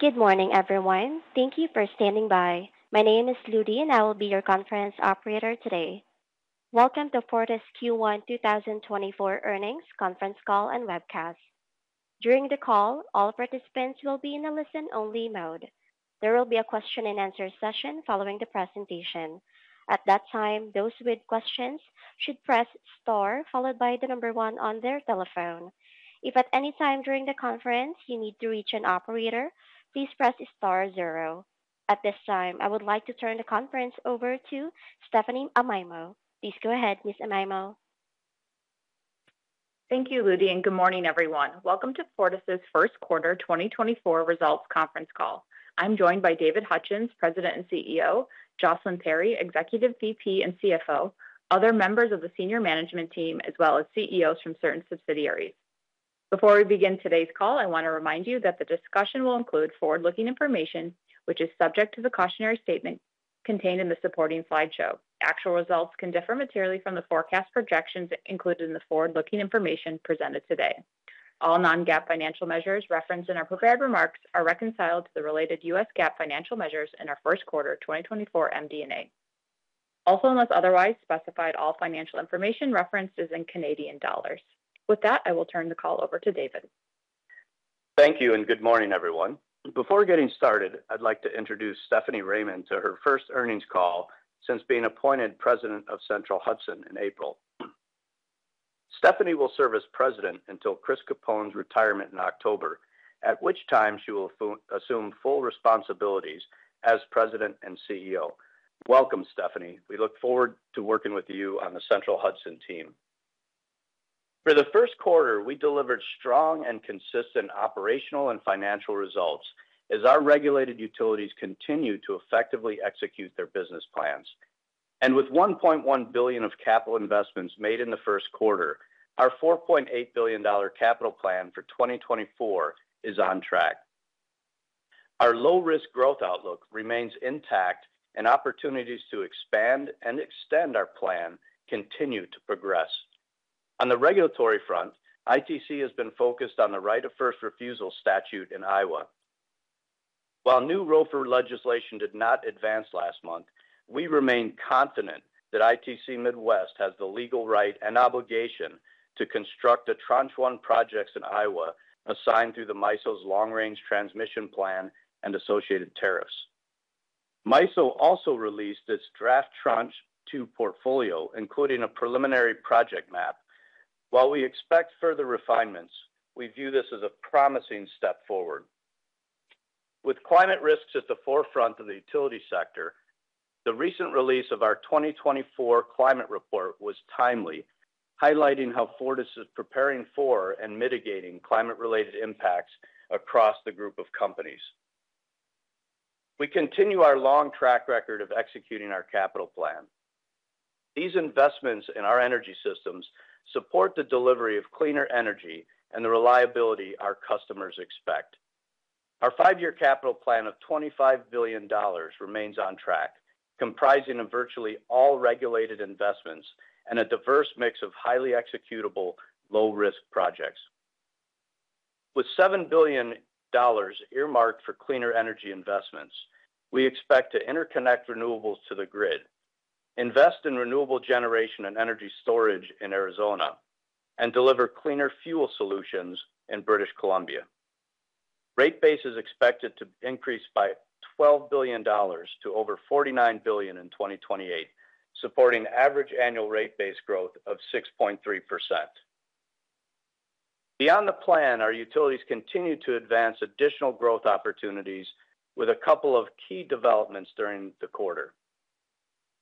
Good morning, everyone. Thank you for standing by. My name is Ludy, and I will be your conference operator today. Welcome to Fortis' Q1 2024 Earnings Conference Call and Webcast. During the call, all participants will be in a listen-only mode. There will be a question-and-answer session following the presentation. At that time, those with questions should press star followed by the number one on their telephone. If at any time during the conference you need to reach an operator, please press star zero. At this time, I would like to turn the conference over to Stephanie Amaimo. Please go ahead, Miss Amaimo. Thank you, Ludy, and good morning, everyone. Welcome to Fortis' first quarter 2024 results conference call. I'm joined by David Hutchens, President and CEO, Jocelyn Perry, Executive VP and CFO, other members of the senior management team, as well as CEOs from certain subsidiaries. Before we begin today's call, I want to remind you that the discussion will include forward-looking information which is subject to the cautionary statement contained in the supporting slideshow. Actual results can differ materially from the forecast projections included in the forward-looking information presented today. All non-GAAP financial measures referenced in our prepared remarks are reconciled to the related US GAAP financial measures in our first quarter 2024 MD&A. Also, unless otherwise specified, all financial information referenced is in Canadian dollars. With that, I will turn the call over to David. Thank you, and good morning, everyone. Before getting started, I'd like to introduce Stephanie Raymond to her first earnings call since being appointed President of Central Hudson in April. Stephanie will serve as president until Chris Capone's retirement in October, at which time she will assume full responsibilities as President and CEO. Welcome, Stephanie. We look forward to working with you on the Central Hudson team. For the first quarter, we delivered strong and consistent operational and financial results as our regulated utilities continue to effectively execute their business plans. With $1.1 billion of capital investments made in the first quarter, our $4.8 billion capital plan for 2024 is on track. Our low-risk growth outlook remains intact and opportunities to expand and extend our plan continue to progress. On the regulatory front, ITC has been focused on the right of first refusal statute in Iowa. While new ROFR legislation did not advance last month, we remain confident that ITC Midwest has the legal right and obligation to construct the Tranche 1 projects in Iowa, assigned through the MISO's Long Range Transmission Plan and associated tariffs. MISO also released its draft Tranche 2 portfolio, including a preliminary project map. While we expect further refinements, we view this as a promising step forward. With climate risks at the forefront of the utility sector, the recent release of our 2024 climate report was timely, highlighting how Fortis is preparing for and mitigating climate-related impacts across the group of companies. We continue our long track record of executing our capital plan. These investments in our energy systems support the delivery of cleaner energy and the reliability our customers expect. Our five-year capital plan of 25 billion dollars remains on track, comprising of virtually all regulated investments and a diverse mix of highly executable, low-risk projects. With 7 billion dollars earmarked for cleaner energy investments, we expect to interconnect renewables to the grid, invest in renewable generation and energy storage in Arizona, and deliver cleaner fuel solutions in British Columbia. Rate base is expected to increase by 12 billion dollars to over 49 billion in 2028, supporting average annual rate base growth of 6.3%. Beyond the plan, our utilities continue to advance additional growth opportunities with a couple of key developments during the quarter.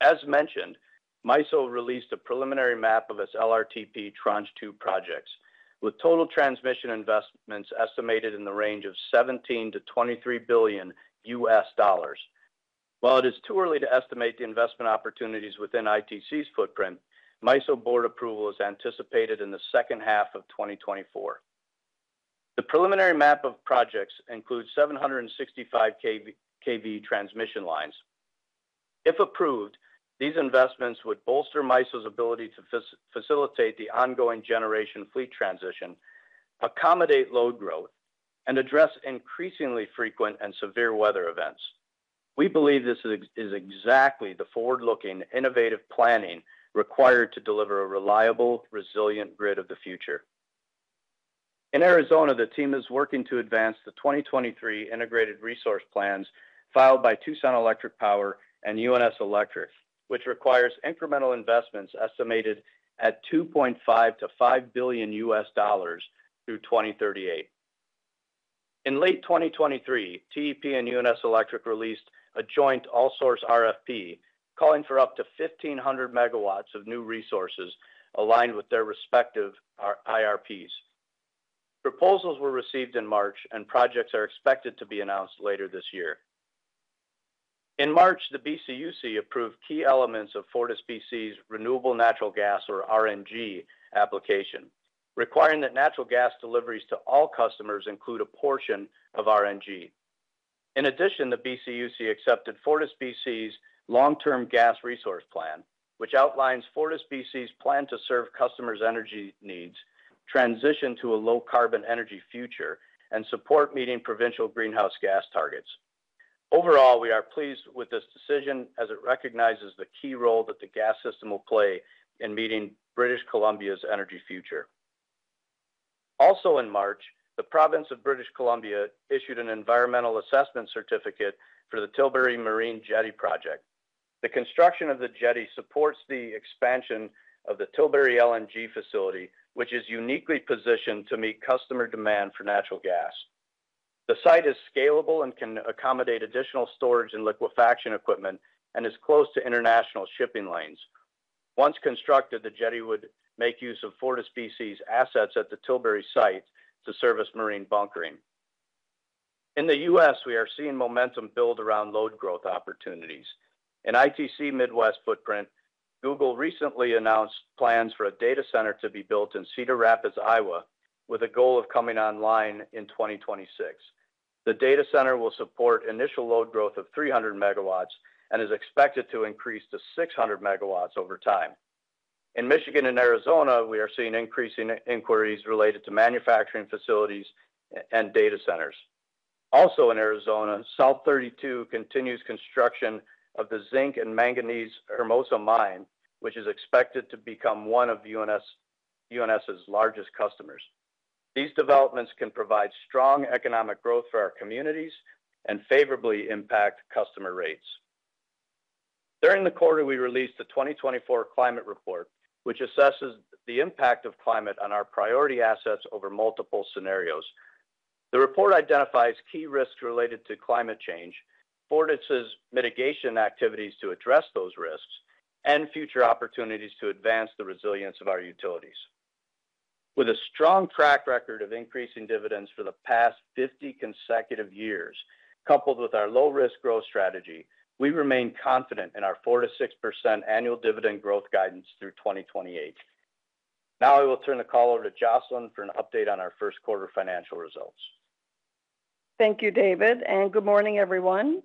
As mentioned, MISO released a preliminary map of its LRTP Tranche 2 projects, with total transmission investments estimated in the range of $17 billion-$23 billion. While it is too early to estimate the investment opportunities within ITC's footprint, MISO board approval is anticipated in the second half of 2024. The preliminary map of projects includes 765 kV transmission lines. If approved, these investments would bolster MISO's ability to facilitate the ongoing generation fleet transition, accommodate load growth, and address increasingly frequent and severe weather events. We believe this is exactly the forward-looking, innovative planning required to deliver a reliable, resilient grid of the future. In Arizona, the team is working to advance the 2023 integrated resource plans filed by Tucson Electric Power and UNS Electric, which requires incremental investments estimated at $2.5 billion-$5 billion through 2038. In late 2023, TEP and UNS Electric released a joint all-source RFP, calling for up to 1,500 MW of new resources aligned with their respective IRPs. Proposals were received in March, and projects are expected to be announced later this year. In March, the BCUC approved key elements of FortisBC's Renewable Natural Gas, or RNG, application, requiring that natural gas deliveries to all customers include a portion of RNG. In addition, the BCUC accepted FortisBC's long-term gas resource plan, which outlines FortisBC's plan to serve customers' energy needs transition to a low carbon energy future, and support meeting provincial greenhouse gas targets. Overall, we are pleased with this decision, as it recognizes the key role that the gas system will play in meeting British Columbia's energy future. Also, in March, the province of British Columbia issued an environmental assessment certificate for the Tilbury Marine Jetty Project. The construction of the jetty supports the expansion of the Tilbury LNG Facility, which is uniquely positioned to meet customer demand for natural gas. The site is scalable and can accommodate additional storage and liquefaction equipment, and is close to international shipping lanes. Once constructed, the jetty would make use of FortisBC's assets at the Tilbury site to service marine bunkering. In the U.S., we are seeing momentum build around load growth opportunities. In ITC Midwest footprint, Google recently announced plans for a data center to be built in Cedar Rapids, Iowa, with a goal of coming online in 2026. The data center will support initial load growth of 300 MW and is expected to increase to 600 MW over time. In Michigan and Arizona, we are seeing increasing inquiries related to manufacturing facilities and data centers. Also, in Arizona, South32 continues construction of the zinc and manganese Hermosa Mine, which is expected to become one of UNS's largest customers. These developments can provide strong economic growth for our communities and favorably impact customer rates. During the quarter, we released the 2024 climate report, which assesses the impact of climate on our priority assets over multiple scenarios. The report identifies key risks related to climate change, Fortis's mitigation activities to address those risks, and future opportunities to advance the resilience of our utilities. With a strong track record of increasing dividends for the past 50 consecutive years, coupled with our low-risk growth strategy, we remain confident in our 4%-6% annual dividend growth guidance through 2028. Now I will turn the call over to Jocelyn for an update on our first quarter financial results. Thank you, David, and good morning, everyone.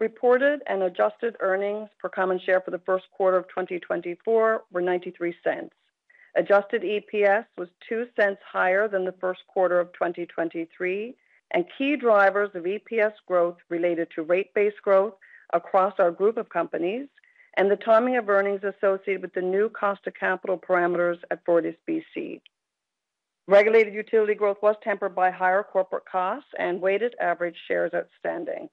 Reported and adjusted earnings per common share for the first quarter of 2024 were 0.93. Adjusted EPS was 0.02 higher than the first quarter of 2023, and key drivers of EPS growth related to rate based growth across our group of companies and the timing of earnings associated with the new cost of capital parameters at FortisBC. Regulated utility growth was tempered by higher corporate costs and weighted average shares outstanding.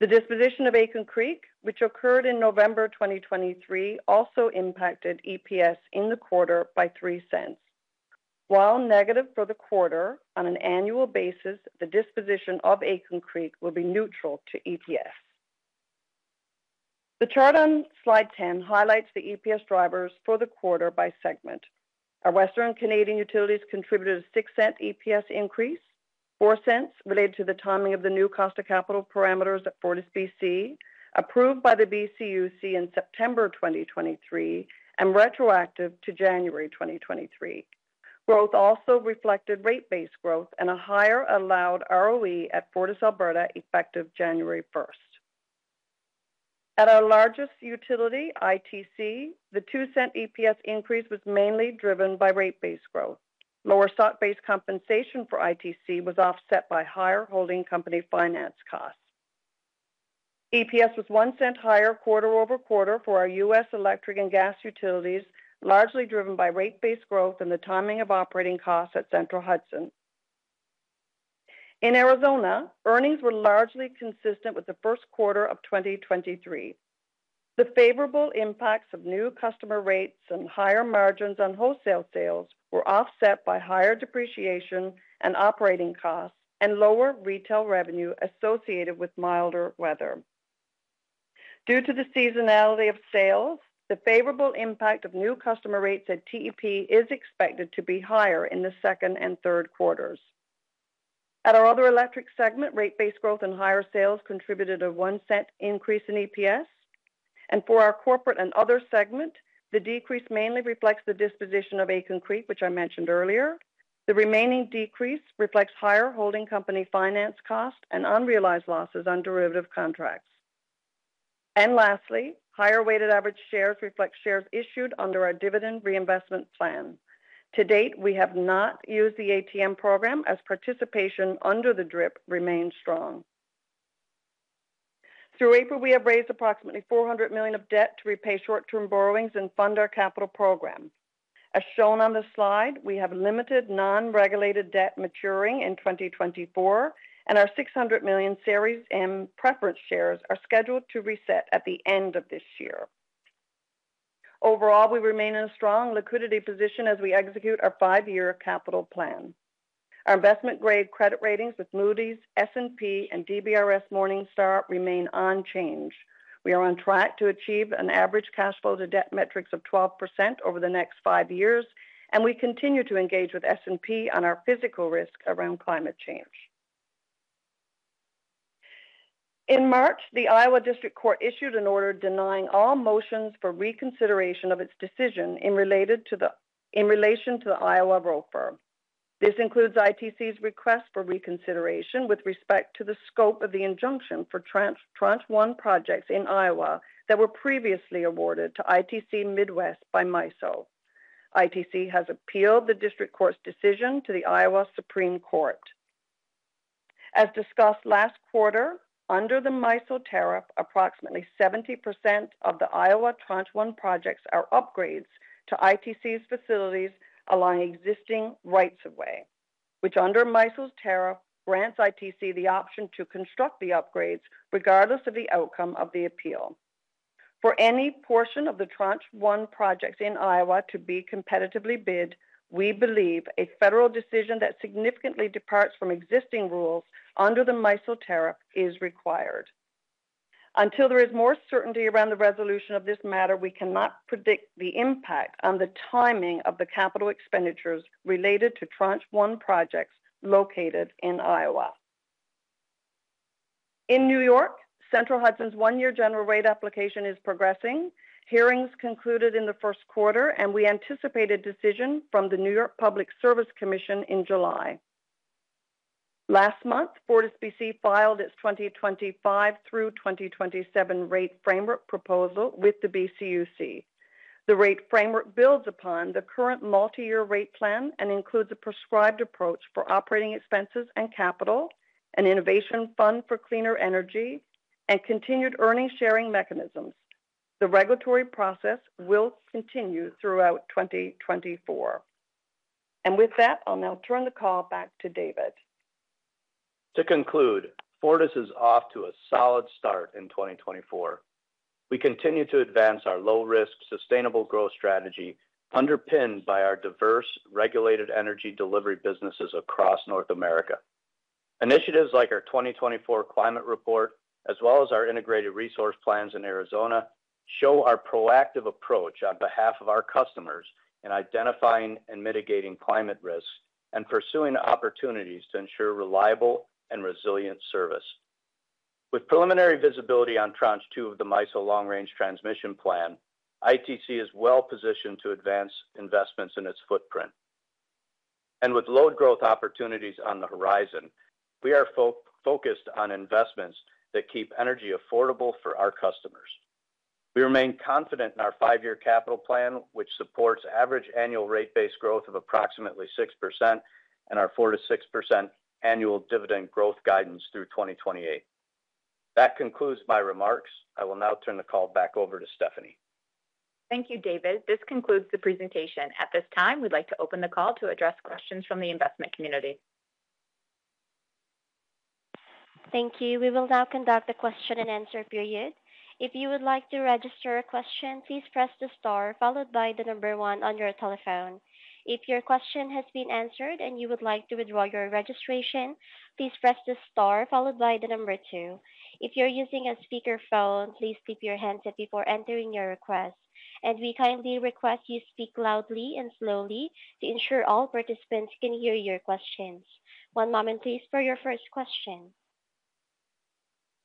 The disposition of Aitken Creek, which occurred in November 2023, also impacted EPS in the quarter by 0.03. While negative for the quarter, on an annual basis, the disposition of Aitken Creek will be neutral to EPS. The chart on slide 10 highlights the EPS drivers for the quarter by segment. Our Western Canadian Utilities contributed a 0.06 EPS increase, 0.04 related to the timing of the new cost of capital parameters at FortisBC, approved by the BCUC in September 2023, and retroactive to January 2023. Growth also reflected rate-based-growth and a higher allowed ROE at FortisAlberta, effective January 1. At our largest utility, ITC, the 0.02 EPS increase was mainly driven by rate-based growth. Lower stock-based compensation for ITC was offset by higher holding company finance costs. EPS was 0.01 higher quarter-over-quarter for our U.S. electric and gas utilities, largely driven by rate-based growth and the timing of operating costs at Central Hudson. In Arizona, earnings were largely consistent with the first quarter of 2023. The favorable impacts of new customer rates and higher margins on wholesale sales were offset by higher depreciation and operating costs, and lower retail revenue associated with milder weather. Due to the seasonality of sales, the favorable impact of new customer rates at TEP is expected to be higher in the second and third quarters. At our other electric segment, rate-based growth and higher sales contributed a 0.01 increase in EPS. And for our corporate and other segment, the decrease mainly reflects the disposition of Aitken Creek, which I mentioned earlier. The remaining decrease reflects higher holding company finance costs and unrealized losses on derivative contracts. And lastly, higher weighted average shares reflect shares issued under our dividend reinvestment plan. To date, we have not used the ATM program as participation under the DRIP remains strong. Through April, we have raised approximately 400 million of debt to repay short-term borrowings and fund our capital program. As shown on this slide, we have limited non-regulated debt maturing in 2024, and our 600 million Series M preference shares are scheduled to reset at the end of this year. Overall, we remain in a strong liquidity position as we execute our five-year capital plan. Our investment-grade credit ratings with Moody's, S&P, and DBRS Morningstar remain unchanged. We are on track to achieve an average cash flow to debt metrics of 12% over the next five years, and we continue to engage with S&P on our physical risk around climate change. In March, the Iowa District Court issued an order denying all motions for reconsideration of its decision in relation to the Iowa ROFR. This includes ITC's request for reconsideration with respect to the scope of the injunction for Tranche 1 projects in Iowa that were previously awarded to ITC Midwest by MISO. ITC has appealed the District Court's decision to the Iowa Supreme Court. As discussed last quarter, under the MISO tariff, approximately 70% of the Iowa Tranche 1 projects are upgrades to ITC's facilities along existing rights of way, which under MISO's tariff, grants ITC the option to construct the upgrades regardless of the outcome of the appeal. For any portion of the Tranche 1 projects in Iowa to be competitively bid, we believe a federal decision that significantly departs from existing rules under the MISO tariff is required. Until there is more certainty around the resolution of this matter, we cannot predict the impact on the timing of the capital expenditures related to Tranche 1 projects located in Iowa. In New York, Central Hudson's one-year general rate application is progressing. Hearings concluded in the first quarter, and we anticipate a decision from the New York Public Service Commission in July. Last month, FortisBC filed its 2025 through 2027 rate framework proposal with the BCUC. The rate framework builds upon the current multi-year rate plan and includes a prescribed approach for operating expenses and capital, an innovation fund for cleaner energy, and continued earnings sharing mechanisms. The regulatory process will continue throughout 2024. With that, I'll now turn the call back to David. To conclude, Fortis is off to a solid start in 2024. We continue to advance our low-risk, sustainable growth strategy, underpinned by our diverse regulated energy delivery businesses across North America. Initiatives like our 2024 climate report, as well as our integrated resource plans in Arizona, show our proactive approach on behalf of our customers in identifying and mitigating climate risks and pursuing opportunities to ensure reliable and resilient service. With preliminary visibility on Tranche 2 of the MISO Long Range Transmission Plan, ITC is well-positioned to advance investments in its footprint. With load growth opportunities on the horizon, we are focused on investments that keep energy affordable for our customers. We remain confident in our five-year capital plan, which supports average annual rate-based growth of approximately 6% and our 4%-6% annual dividend growth guidance through 2028. That concludes my remarks. I will now turn the call back over to Stephanie. Thank you, David. This concludes the presentation. At this time, we'd like to open the call to address questions from the investment community. Thank you. We will now conduct a question-and-answer period. If you would like to register a question, please press the star followed by the number one on your telephone. If your question has been answered and you would like to withdraw your registration, please press the star followed by the number two. If you're using a speakerphone, please keep your handset before entering your request. And we kindly request you speak loudly and slowly to ensure all participants can hear your questions. One moment, please, for your first question.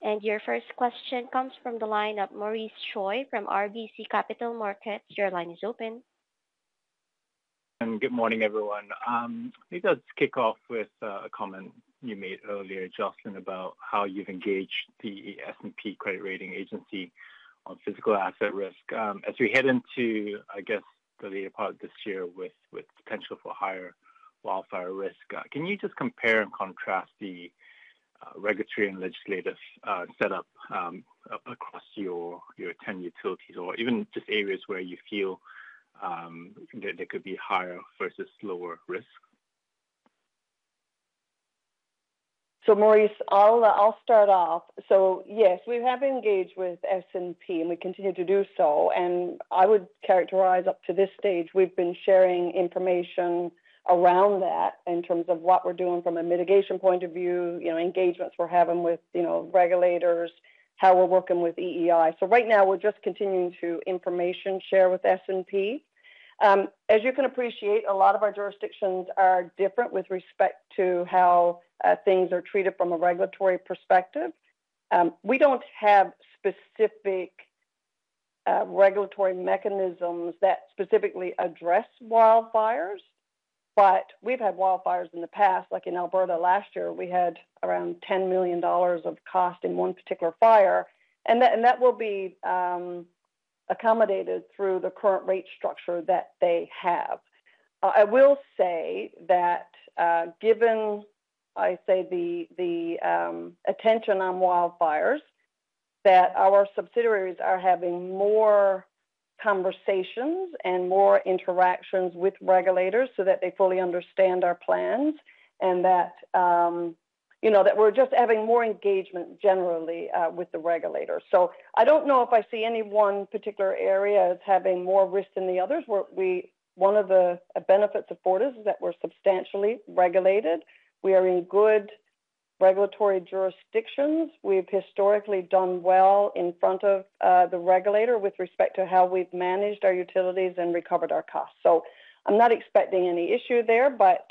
And your first question comes from the line of Maurice Choy from RBC Capital Markets. Your line is open. Good morning, everyone. Maybe I'll just kick off with a comment you made earlier, Jocelyn, about how you've engaged the S&P credit rating agency on physical asset risk. As we head into, I guess, the later part of this year with potential for higher wildfire risk, can you just compare and contrast the regulatory and legislative setup across your 10 utilities or even just areas where you feel there could be higher versus lower risk? So, Maurice, I'll start off. So yes, we have engaged with S&P, and we continue to do so, and I would characterize up to this stage, we've been sharing information around that in terms of what we're doing from a mitigation point of view, you know, engagements we're having with, you know, regulators, how we're working with EEI. So right now, we're just continuing to information share with S&P. As you can appreciate, a lot of our jurisdictions are different with respect to how things are treated from a regulatory perspective. We don't have specific regulatory mechanisms that specifically address wildfires, but we've had wildfires in the past. Like in Alberta last year, we had around 10 million dollars of cost in one particular fire, and that will be accommodated through the current rate structure that they have. I will say that, given the attention on wildfires, that our subsidiaries are having more conversations and more interactions with regulators so that they fully understand our plans, and that, you know, that we're just having more engagement generally with the regulators. So I don't know if I see any one particular area as having more risk than the others, where we. One of the benefits of Fortis is that we're substantially regulated. We are in good regulatory jurisdictions. We've historically done well in front of the regulator with respect to how we've managed our utilities and recovered our costs. So I'm not expecting any issue there, but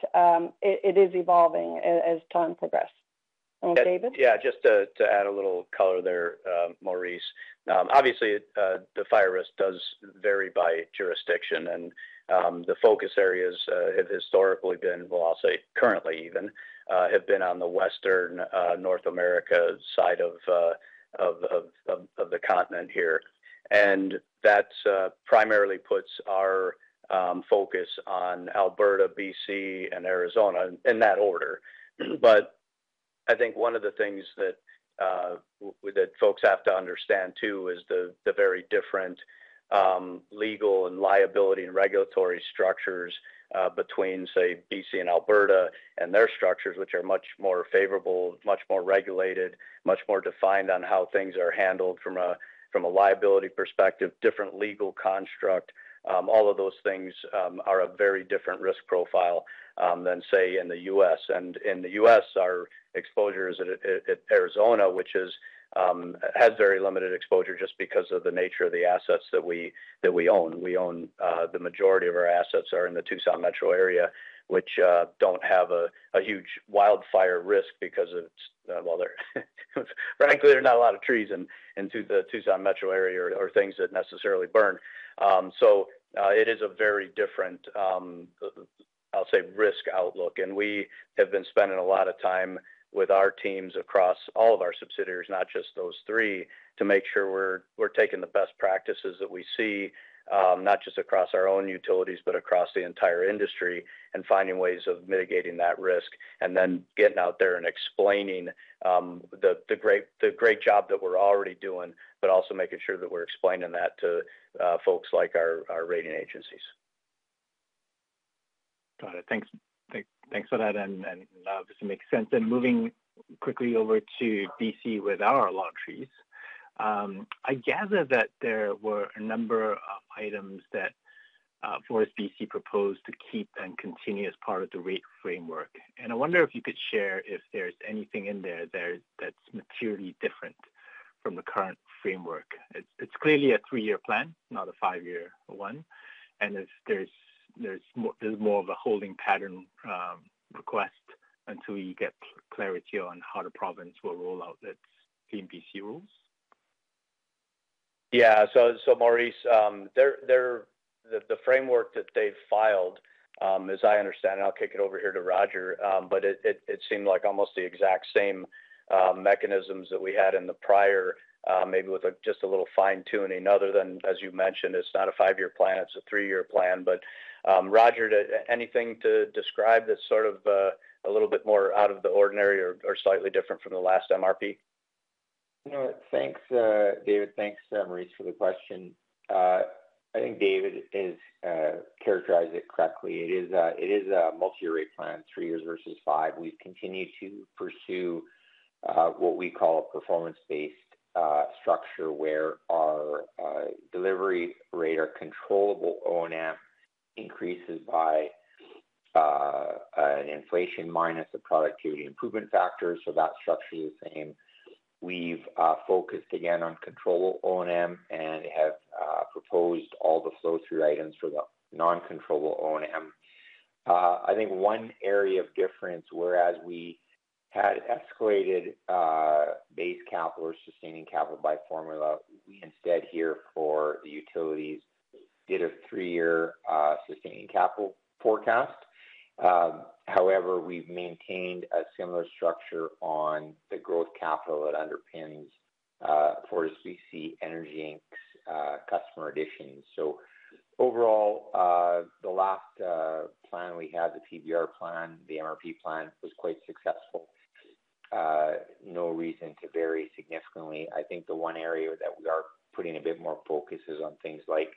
it is evolving as time progressed. Yeah, just to add a little color there, Maurice. Obviously, the fire risk does vary by jurisdiction, and the focus areas have historically been, well, I'll say currently even, on the Western North America side of the continent here. And that primarily puts our focus on Alberta, BC, and Arizona, in that order. But I think one of the things that folks have to understand, too, is the very different legal and liability and regulatory structures between, say, BC and Alberta, and their structures, which are much more favorable, much more regulated, much more defined on how things are handled from a liability perspective, different legal construct. All of those things are a very different risk profile than, say, in the US. In the U.S., our exposure is at Arizona, which has very limited exposure just because of the nature of the assets that we own. We own the majority of our assets are in the Tucson metro area, which don't have a huge wildfire risk because of, well, frankly, there are not a lot of trees in the Tucson metro area or things that necessarily burn. It is a very different, I'll say, risk outlook. We have been spending a lot of time with our teams across all of our subsidiaries, not just those three, to make sure we're taking the best practices that we see, not just across our own utilities, but across the entire industry, and finding ways of mitigating that risk, and then getting out there and explaining the great job that we're already doing, but also making sure that we're explaining that to folks like our rating agencies. Got it. Thanks. Thanks for that, and this makes sense. Then moving quickly over to BC with our regulatory, I gather that there were a number of items that FortisBC proposed to keep and continue as part of the rate framework. And I wonder if you could share if there's anything in there that's materially different from the current framework. It's clearly a three-year plan, not a five-year one, and there's more of a holding pattern request until you get clarity on how the province will roll out its CleanBC rules. Yeah. So, Maurice, there, there. The framework that they've filed, as I understand, and I'll kick it over here to Roger, but it seemed like almost the exact same mechanisms that we had in the prior, maybe with just a little fine-tuning other than, as you mentioned, it's not a five-year plan, it's a three-year plan. But, Roger, anything to describe that sort of a little bit more out of the ordinary or slightly different from the last MRP? You know what? Thanks, David. Thanks, Maurice, for the question. I think David is characterized it correctly. It is a multi-rate plan, three years versus five. We've continued to pursue what we call a performance-based structure, where our delivery rate or controllable O&M increases by an inflation minus the productivity improvement factor, so that structure is the same. We've focused again on controllable O&M and have proposed all the flow-through items for the non-controllable O&M. I think one area of difference, whereas we had escalated base capital or sustaining capital by formula, we instead here for the utilities did a three-year sustaining capital forecast. However, we've maintained a similar structure on the growth capital that underpins FortisBC Energy Inc. customer additions. So overall, the last plan we had, the PBR plan, the MRP plan, was quite successful. No reason to vary significantly. I think the one area that we are putting a bit more focus is on things like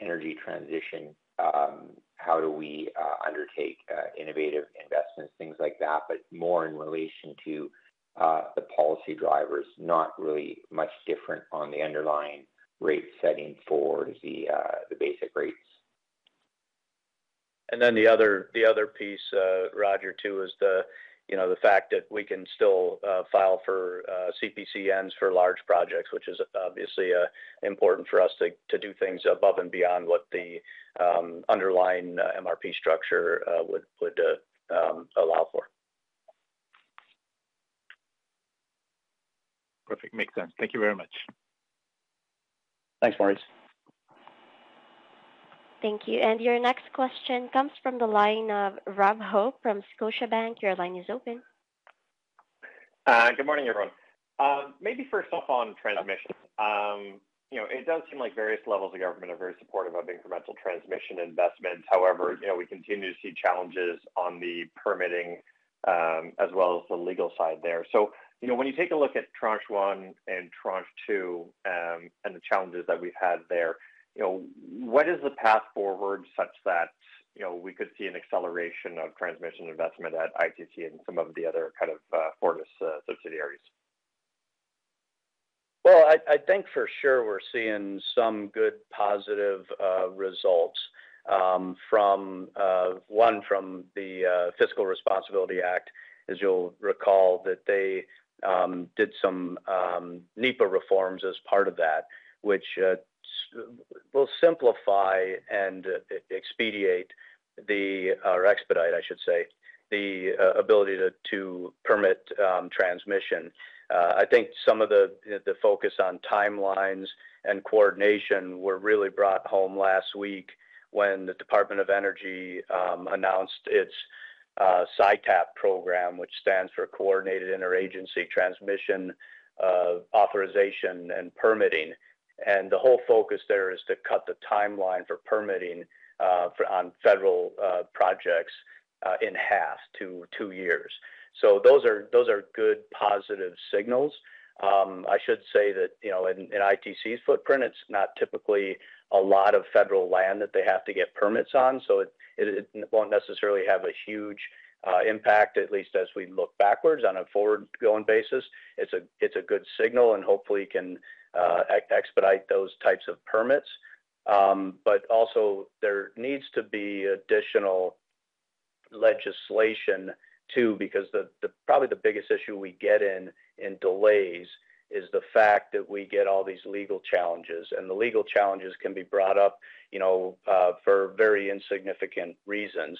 energy transition, how do we undertake innovative investments, things like that, but more in relation to the policy drivers. Not really much different on the underlying rate setting for the basic rates. And then the other piece, Roger, too, is, you know, the fact that we can still file for CPCNs for large projects, which is obviously important for us to do things above and beyond what the underlying MRP structure would allow for. Perfect. Makes sense. Thank you very much. Thanks, Maurice. Thank you. And your next question comes from the line of Rob Hope from Scotiabank. Your line is open. Good morning, everyone. Maybe first off on transmission. You know, it does seem like various levels of government are very supportive of incremental transmission investments. However, you know, we continue to see challenges on the permitting, as well as the legal side there. So, you know, when you take a look at Tranche 1 and Tranche 2, and the challenges that we've had there, you know, what is the path forward such that, you know, we could see an acceleration of transmission investment at ITC and some of the other kind of, Fortis, subsidiaries? Well, I think for sure we're seeing some good positive results from the Fiscal Responsibility Act, as you'll recall, that they did some NEPA reforms as part of that, which will simplify and expedite, I should say, the ability to permit transmission. I think some of the focus on timelines and coordination were really brought home last week when the Department of Energy announced its CITAP program, which stands for Coordinated Interagency Transmission Authorization and Permitting. And the whole focus there is to cut the timeline for permitting for on federal projects in half to two years. So those are good, positive signals. I should say that, you know, in ITC's footprint, it's not typically a lot of federal land that they have to get permits on, so it won't necessarily have a huge impact, at least as we look backwards. On a forward-going basis, it's a good signal, and hopefully can expedite those types of permits. But also there needs to be additional legislation, too, because the probably the biggest issue we get in delays is the fact that we get all these legal challenges, and the legal challenges can be brought up, you know, for very insignificant reasons.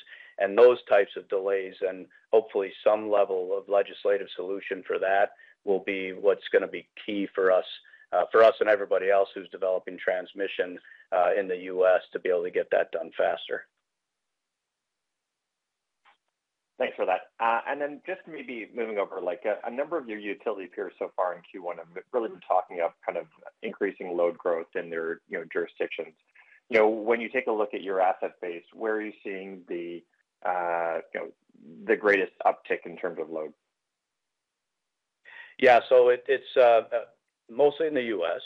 Those types of delays, and hopefully some level of legislative solution for that, will be what's gonna be key for us, for us and everybody else who's developing transmission, in the U.S., to be able to get that done faster. Thanks for that. And then just maybe moving over, like, a number of your utility peers so far in Q1 have really been talking of kind of increasing load growth in their, you know, jurisdictions. You know, when you take a look at your asset base, where are you seeing the, you know, the greatest uptick in terms of load? Yeah. So it's mostly in the U.S.,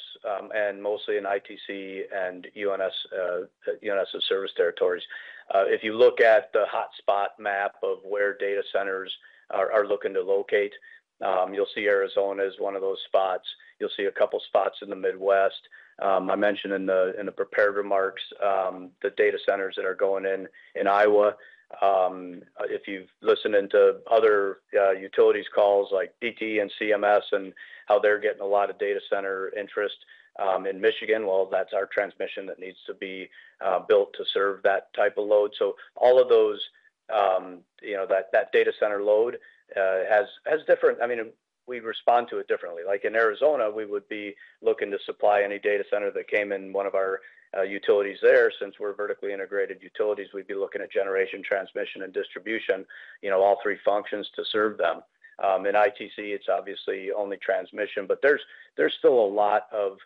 and mostly in ITC and UNS, UNS service territories. If you look at the hotspot map of where data centers are looking to locate, you'll see Arizona is one of those spots. You'll see a couple spots in the Midwest. I mentioned in the prepared remarks, the data centers that are going in in Iowa. If you've listened into other utilities calls, like DTE and CMS, and how they're getting a lot of data center interest, in Michigan, well, that's our transmission that needs to be built to serve that type of load. So all of those, you know, that data center load, has different- I mean, we respond to it differently. Like in Arizona, we would be looking to supply any data center that came in one of our utilities there. Since we're vertically integrated utilities, we'd be looking at generation, transmission, and distribution, you know, all three functions to serve them. In ITC, it's obviously only transmission. But there's still a lot of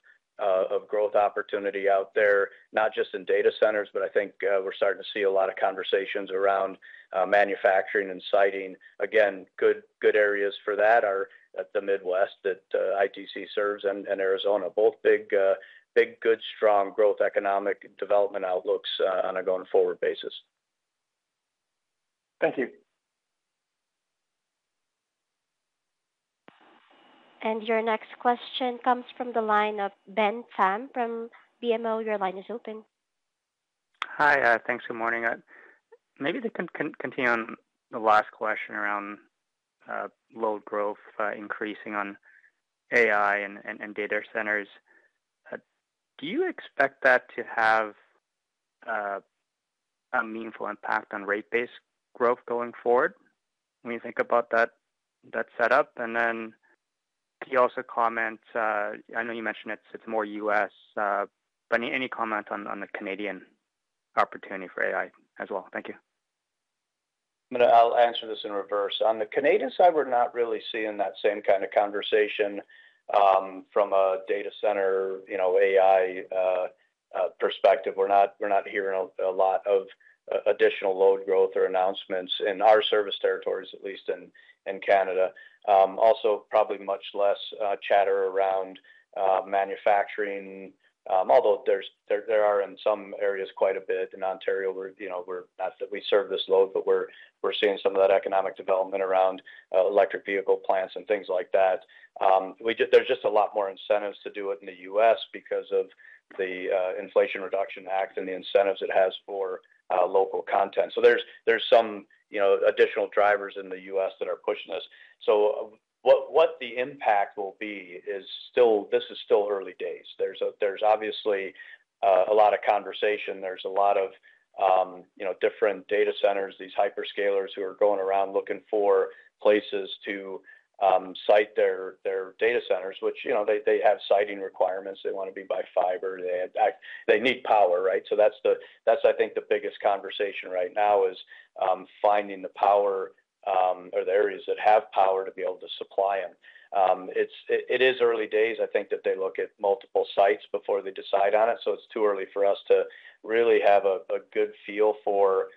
growth opportunity out there, not just in data centers, but I think we're starting to see a lot of conversations around manufacturing and siting. Again, good, good areas for that are at the Midwest, that ITC serves and Arizona. Both big, big, good, strong growth, economic development outlooks on a going-forward basis. Thank you. Your next question comes from the line of Ben Pham from BMO. Your line is open. Hi, thanks. Good morning. Maybe to continue on the last question around load growth increasing on AI and data centers. Do you expect that to have a meaningful impact on rate-based growth going forward, when you think about that setup? And then can you also comment? I know you mentioned it's more U.S., but any comment on the Canadian opportunity for AI as well? Thank you. I'm gonna... I'll answer this in reverse. On the Canadian side, we're not really seeing that same kind of conversation, from a data center, you know, AI, perspective. We're not, we're not hearing a lot of additional load growth or announcements in our service territories, at least in Canada. Also, probably much less chatter around manufacturing. Although there are, in some areas, quite a bit. In Ontario, you know, we're not that we serve this load, but we're, we're seeing some of that economic development around electric vehicle plants and things like that. We just- there's just a lot more incentives to do it in the U.S. because of the Inflation Reduction Act and the incentives it has for local content. So there's some, you know, additional drivers in the U.S. that are pushing this. So what the impact will be is still—this is still early days. There's obviously a lot of conversation. There's a lot of, you know, different data centers, these hyperscalers who are going around looking for places to site their data centers, which, you know, they have siting requirements. They want to be by fiber. They, in fact, need power, right? So that's the, I think, the biggest conversation right now is finding the power or the areas that have power to be able to supply them. It is early days. I think that they look at multiple sites before they decide on it, so it's too early for us to really have a good feel for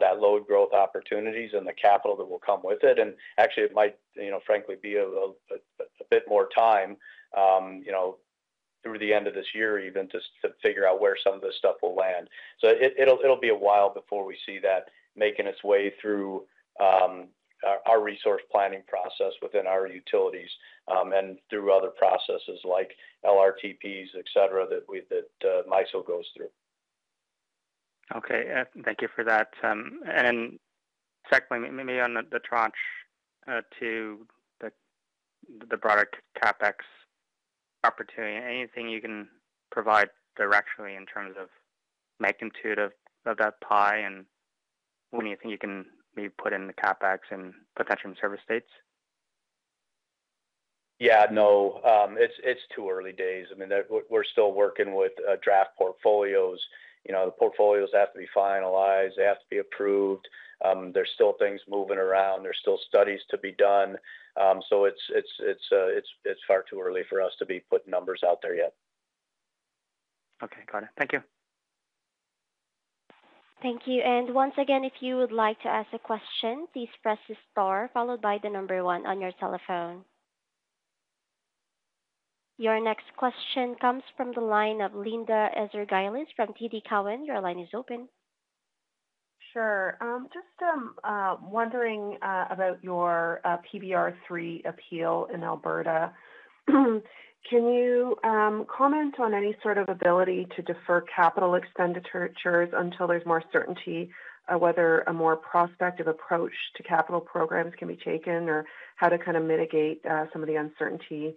that load growth opportunities and the capital that will come with it. And actually, it might, you know, frankly, be a bit more time, you know, through the end of this year, even, to figure out where some of this stuff will land. So it'll be a while before we see that making its way through our resource planning process within our utilities, and through other processes like LRTPs, et cetera, that MISO goes through. Okay, thank you for that. And then secondly, maybe on the tranche to the broader CapEx opportunity. Anything you can provide directionally in terms of magnitude of that pie? And when you think you can maybe put in the CapEx and potential service dates? Yeah, no, it's too early days. I mean, that we're still working with draft portfolios. You know, the portfolios have to be finalized, they have to be approved. There's still things moving around. There's still studies to be done. So it's far too early for us to be putting numbers out there yet. Okay, got it. Thank you. Thank you. And once again, if you would like to ask a question, please press star, followed by the number one on your telephone. Your next question comes from the line of Linda Ezergailis from TD Cowen. Your line is open. Sure. Just wondering about your PBR3 appeal in Alberta. Can you comment on any sort of ability to defer capital expenditures until there's more certainty, whether a more prospective approach to capital programs can be taken? Or how to kind of mitigate some of the uncertainty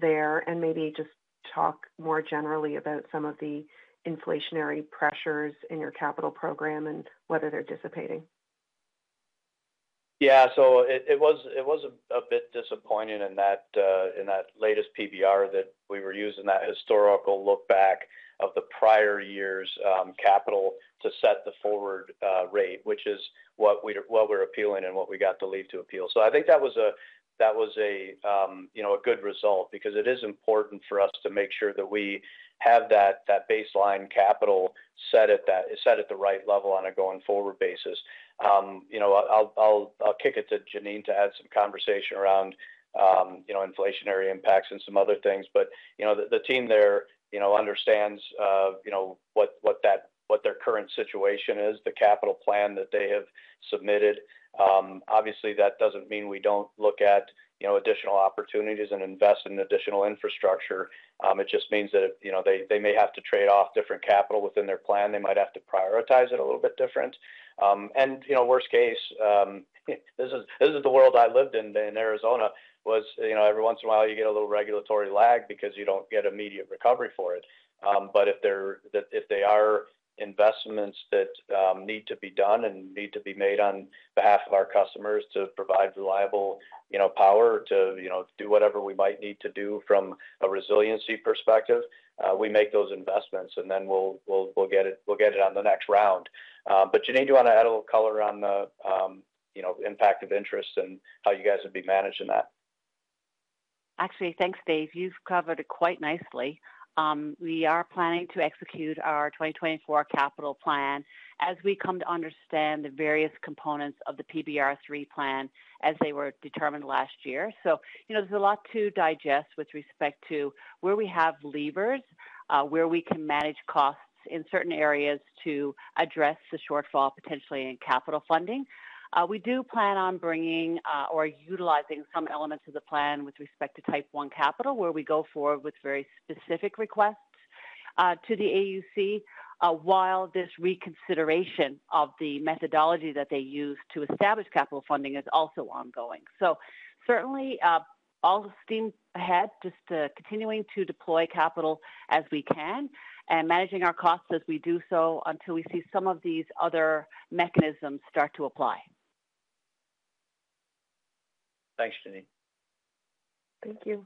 there, and maybe just talk more generally about some of the inflationary pressures in your capital program and whether they're dissipating. Yeah. So it was a bit disappointing in that latest PBR, that we were using that historical look back of the prior year's capital to set the forward rate, which is what we're appealing and what we got the lead to appeal. So I think that was a good result because it is important for us to make sure that we have that baseline capital set at the right level on a going-forward basis. You know, I'll kick it to Janine to add some conversation around, you know, inflationary impacts and some other things. But, you know, the team there, you know, understands, you know, what their current situation is, the capital plan that they have submitted. Obviously, that doesn't mean we don't look at, you know, additional opportunities and invest in additional infrastructure. It just means that, you know, they, they may have to trade off different capital within their plan. They might have to prioritize it a little bit different. And, you know, worst case, this is the world I lived in, in Arizona, was, you know, every once in a while you get a little regulatory lag because you don't get immediate recovery for it. But if they're—if they are investments that need to be done and need to be made on behalf of our customers to provide reliable, you know, power to, you know, do whatever we might need to do from a resiliency perspective, we make those investments, and then we'll, we'll, we'll get it, we'll get it on the next round. Janine, do you want to add a little color on the, you know, impact of interest and how you guys would be managing that? Actually, thanks, Dave. You've covered it quite nicely. We are planning to execute our 2024 capital plan as we come to understand the various components of the PBR3 plan as they were determined last year. So, you know, there's a lot to digest with respect to where we have levers, where we can manage costs in certain areas to address the shortfall, potentially in capital funding. We do plan on bringing, or utilizing some elements of the plan with respect to Type 1 Capital, where we go forward with very specific requests, to the AUC, while this reconsideration of the methodology that they use to establish capital funding is also ongoing. Certainly, full steam ahead, just continuing to deploy capital as we can and managing our costs as we do so until we see some of these other mechanisms start to apply. Thanks, Janine. Thank you.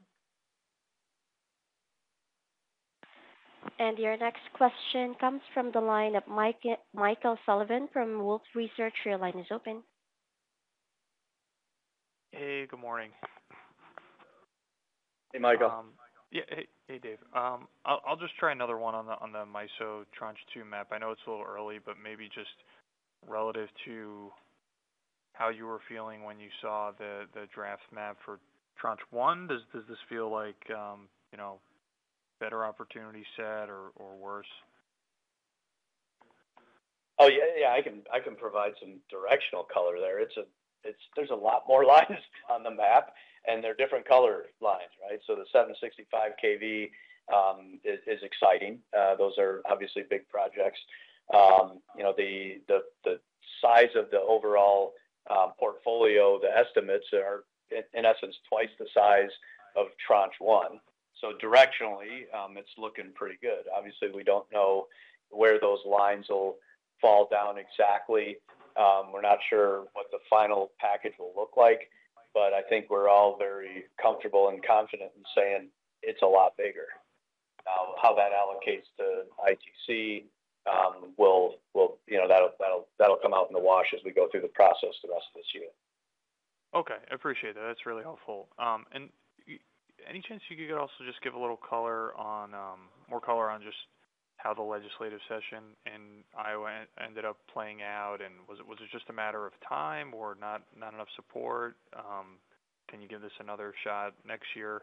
Your next question comes from the line of Mike- Michael Sullivan from Wolfe Research. Your line is open. Hey, good morning. Hey, Michael. Yeah. Hey, hey, Dave. I'll just try another one on the MISO Tranche 2 map. I know it's a little early, but maybe just relative to how you were feeling when you saw the draft map for Tranche 1, does this feel like, you know, better opportunity set or worse? Oh, yeah, yeah, I can, I can provide some directional color there. There's a lot more lines on the map, and they're different color lines, right? So the 765 kV is exciting. Those are obviously big projects. You know, the size of the overall portfolio, the estimates are, in essence, twice the size of Tranche 1. So directionally, it's looking pretty good. Obviously, we don't know where those lines will fall down exactly. We're not sure what the final package will look like, but I think we're all very comfortable and confident in saying it's a lot bigger. How that allocates to ITC, you know, that'll come out in the wash as we go through the process the rest of this year. Okay, I appreciate that. That's really helpful. And any chance you could also just give a little color on, more color on just how the legislative session in Iowa ended up playing out? And was it just a matter of time or not enough support? Can you give this another shot next year?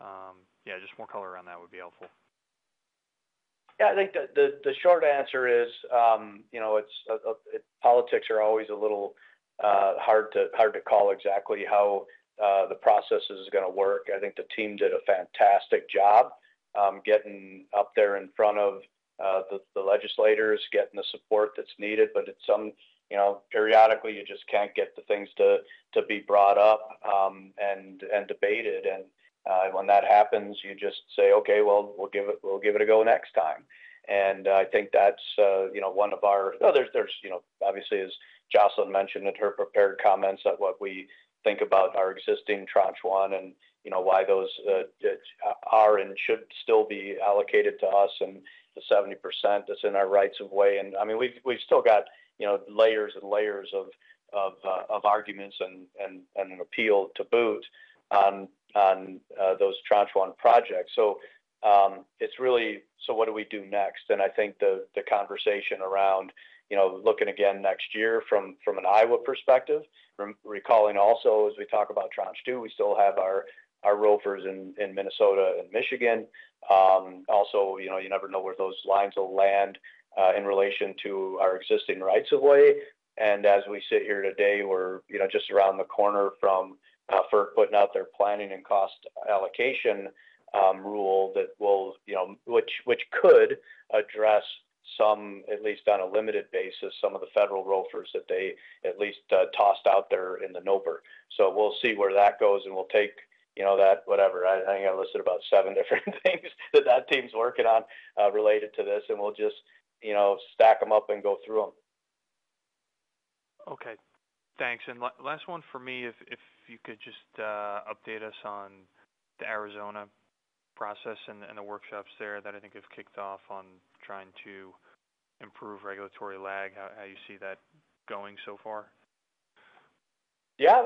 Yeah, just more color around that would be helpful. ... Yeah, I think the short answer is, you know, it's politics are always a little hard to call exactly how the process is gonna work. I think the team did a fantastic job getting up there in front of the legislators, getting the support that's needed. But at some, you know, periodically, you just can't get the things to be brought up and debated. And, when that happens, you just say, "Okay, well, we'll give it, we'll give it a go next time." And I think that's, you know, one of our. Oh, there's, you know, obviously, as Jocelyn mentioned in her prepared comments, that's what we think about our existing Tranche 1 and, you know, why those are and should still be allocated to us, and the 70% that's in our rights of way. And, I mean, we've still got, you know, layers and layers of arguments and an appeal to boot on those Tranche 1 projects. So, it's really, so what do we do next? I think the conversation around, you know, looking again next year from an Iowa perspective, recalling also, as we talk about Tranche 2, we still have our ROFRs in Minnesota and Michigan. Also, you know, you never know where those lines will land in relation to our existing rights of way. And as we sit here today, we're, you know, just around the corner from FERC putting out their planning and cost allocation rule that will, you know, which could address some, at least on a limited basis, some of the federal ROFRs that they at least tossed out there in the NOPR. So we'll see where that goes, and we'll take, you know, that whatever. I listed about seven different things that that team's working on, related to this, and we'll just, you know, stack them up and go through them. Okay, thanks. And last one for me, if you could just update us on the Arizona process and the workshops there that I think have kicked off on trying to improve regulatory lag, how you see that going so far? Yeah,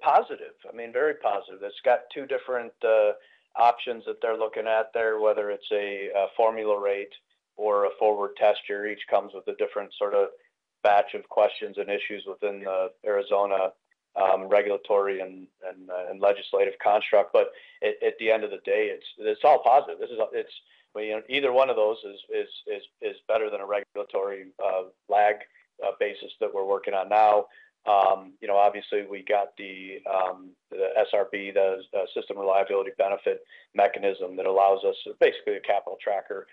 positive. I mean, very positive. It's got two different options that they're looking at there, whether it's a formula rate or a forward test year. Each comes with a different sort of batch of questions and issues within the Arizona regulatory and legislative construct. But at the end of the day, it's all positive. This is, it's you know, either one of those is better than a regulatory lag basis that we're working on now. You know, obviously, we got the SRB, the System Reliability Benefit mechanism that allows us, basically a capital tracker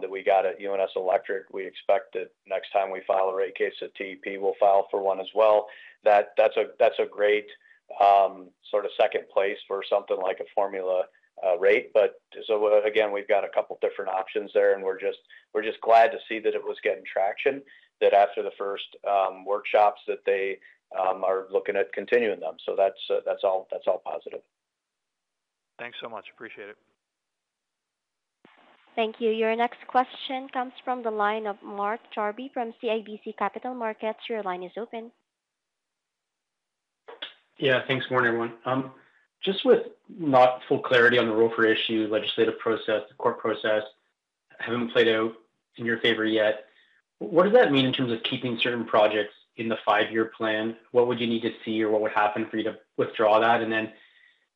that we got at UNS Electric. We expect that next time we file a rate case at TEP, we'll file for one as well. That's a great sort of second place for something like a Formula Rate. But so, again, we've got a couple different options there, and we're just glad to see that it was getting traction, that after the first workshops, that they are looking at continuing them. So that's all positive. Thanks so much. Appreciate it. Thank you. Your next question comes from the line of Mark Jarvi from CIBC Capital Markets. Your line is open. Yeah, thanks. Morning, everyone. Just with not full clarity on the ROFR issue, legislative process, the court process haven't played out in your favor yet, what does that mean in terms of keeping certain projects in the five-year plan? What would you need to see, or what would happen for you to withdraw that? And then,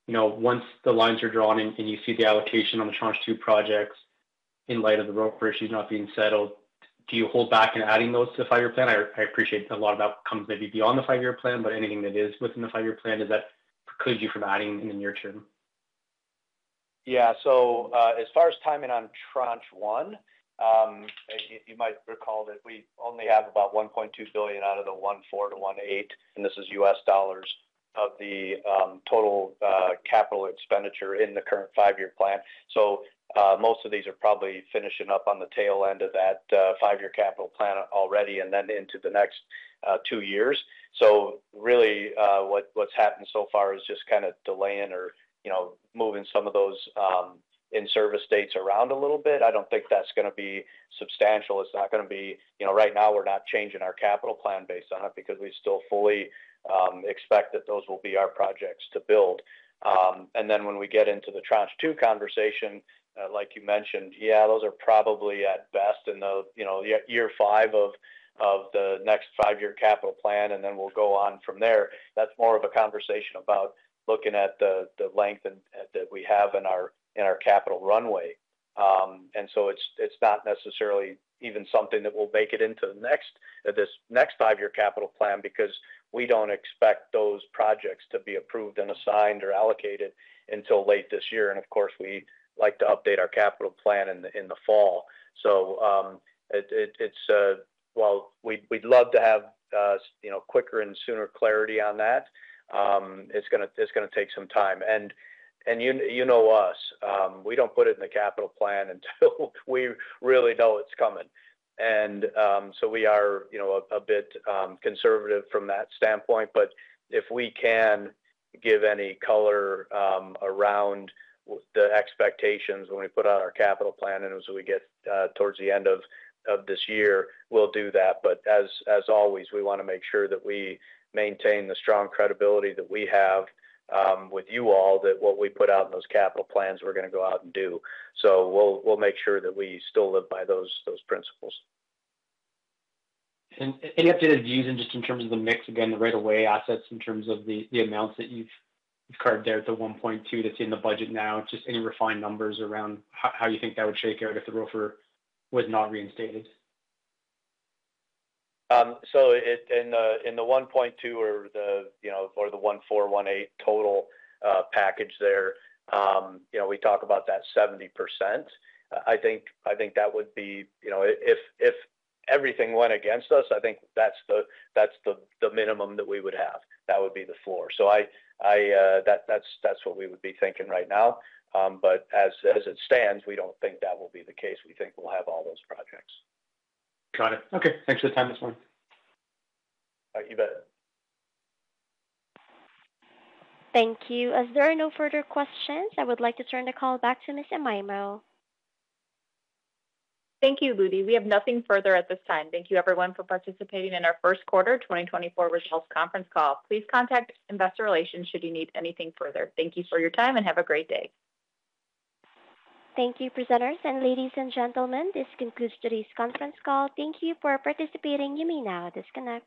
you know, once the lines are drawn and, and you see the allocation on the Tranche 2 projects in light of the ROFR issues not being settled, do you hold back in adding those to the five-year plan? I, I appreciate a lot of that comes maybe beyond the five-year plan, but anything that is within the five-year plan, does that preclude you from adding in the near term? Yeah. So, as far as timing on Tranche 1, you might recall that we only have about $1.2 billion out of the $1.4-$1.8 billion, and this is US dollars, of the total capital expenditure in the current five-year plan. So, most of these are probably finishing up on the tail end of that five-year capital plan already and then into the next two years. So really, what's happened so far is just kind of delaying or, you know, moving some of those in-service dates around a little bit. I don't think that's gonna be substantial. It's not gonna be... You know, right now, we're not changing our capital plan based on it, because we still fully expect that those will be our projects to build. And then when we get into the Tranche 2 conversation, like you mentioned, yeah, those are probably at best in the, you know, year five of the next five-year capital plan, and then we'll go on from there. That's more of a conversation about looking at the length and that we have in our capital runway. And so it's not necessarily even something that will make it into the next, this next five-year capital plan, because we don't expect those projects to be approved and assigned or allocated until late this year. And of course, we'd like to update our capital plan in the fall. So, it's... Well, we'd love to have, you know, quicker and sooner clarity on that. It's gonna take some time. You know us, we don't put it in the capital plan until we really know it's coming. So we are, you know, a bit conservative from that standpoint. But if we can give any color around the expectations when we put out our capital plan and as we get towards the end of this year, we'll do that. But as always, we want to make sure that we maintain the strong credibility that we have with you all, that what we put out in those capital plans, we're gonna go out and do. So we'll make sure that we still live by those principles. Any updated views and just in terms of the mix, again, the right-of-way assets, in terms of the, the amounts that you've carved out, the $1.2 that's in the budget now, just any refined numbers around how, how you think that would shake out if the ROFR was not reinstated? So in the, in the 1.2 or the, you know, or the 1.4-1.8 total package there, you know, we talk about that 70%. I think, I think that would be... You know, if, if, if everything went against us, I think that's the, that's the, the minimum that we would have. That would be the floor. So I, I, that, that's, that's what we would be thinking right now. But as, as it stands, we don't think that will be the case. We think we'll have all those projects. Got it. Okay, thanks for the time this morning. You bet. Thank you. As there are no further questions, I would like to turn the call back to Ms. Amaimo. Thank you, Ludy. We have nothing further at this time. Thank you, everyone, for participating in our first quarter 2024 results conference call. Please contact Investor Relations should you need anything further. Thank you for your time, and have a great day. Thank you, presenters and ladies and gentlemen, this concludes today's conference call. Thank you for participating. You may now disconnect.